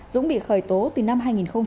dũng bị khởi tố từ năm hai nghìn một mươi